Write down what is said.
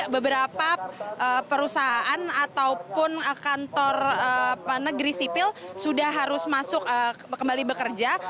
beberapa perusahaan ataupun kantor negeri sipil sudah harus masuk kembali bekerja